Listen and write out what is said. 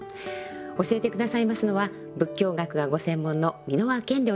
教えて下さいますのは仏教学がご専門の蓑輪顕量先生です。